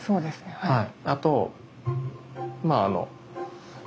はい。